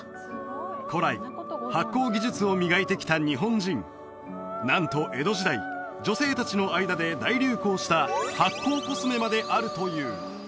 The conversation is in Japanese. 古来発酵技術を磨いてきた日本人なんと江戸時代女性達の間で大流行した発酵コスメまであるという！